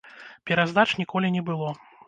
Пераздач ніколі не было.